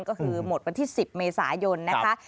ก็คือหมดวันที่๑๐เมษายนนะคะ